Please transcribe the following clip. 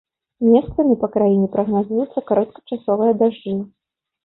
Месцамі па краіне прагназуюцца кароткачасовыя дажджы.